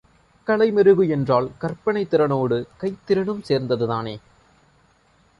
கலை மெருகு என்றால் கற்பனைத் திறனோடு கைத்திறனும் சேர்ந்ததுதானே.